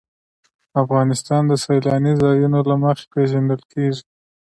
افغانستان د سیلانی ځایونه له مخې پېژندل کېږي.